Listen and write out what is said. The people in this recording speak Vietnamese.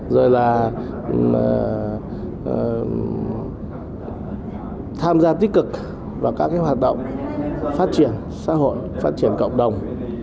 rồi là tham gia tích cực vào các hoạt động phát triển xã hội phát triển cộng đồng